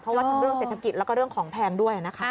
เพราะว่าทั้งเรื่องเศรษฐกิจแล้วก็เรื่องของแพงด้วยนะคะ